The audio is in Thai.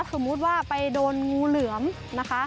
สมมุติว่าไปโดนงูเหลือมนะคะ